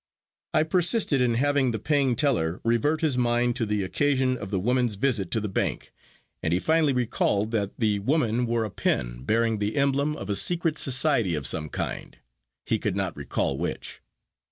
I persisted in having the paying teller revert his mind to the occasion of the woman's visit to the bank, and he finally recalled that the woman wore a pin bearing the emblem of a secret society of some kind he could not recall which.